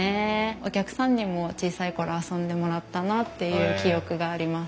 お客さんにも小さい頃遊んでもらったなっていう記憶があります。